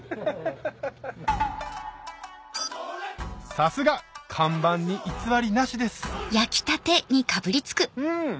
さすが看板に偽りなしですうん！